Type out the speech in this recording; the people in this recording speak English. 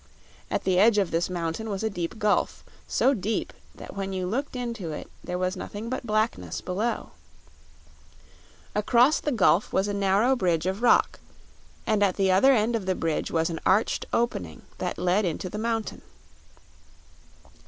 At the edge of this mountain was a deep gulf so deep that when you looked into it there was nothing but blackness below. Across the gulf was a narrow bridge of rock, and at the other end of the bridge was an arched opening that led into the mountain.